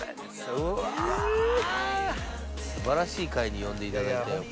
素晴らしい回に呼んでいただいて。